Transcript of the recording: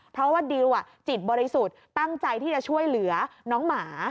เพราะว่าดิวจิตบริสุทธิ์ตั้งใจที่จะช่วยเหลือน้องหมา